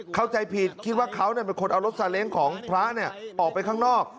เข้าใจผิดคิดว่าเขาเป็นคนเอารถซาเล้งของพระออกไปข้างนอก